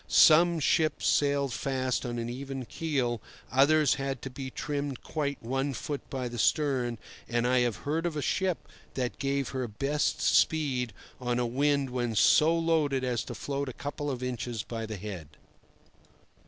Some ships sailed fast on an even keel, others had to be trimmed quite one foot by the stern, and I have heard of a ship that gave her best speed on a wind when so loaded as to float a couple of inches by the head.